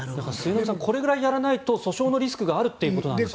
これぐらいやらないと訴訟のリスクがあるということですね。